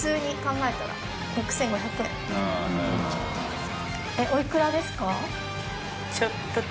えっおいくらですか？